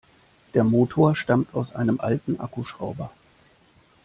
Der Motor stammt aus einem alten Akkuschrauber.